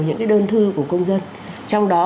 những cái đơn thư của công dân trong đó